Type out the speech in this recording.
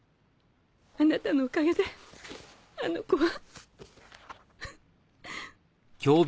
あなたのおかげであの子は。